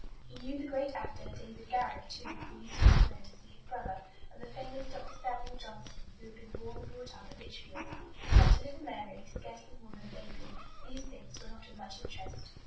He knew the great actor, David Garrick, too, who used to come there to see his brother; and the famous Dr. Samuel Johnson, who had been born and brought up at Lichfield. But to little Mary, scarcely more than a baby, these things were not of much interest.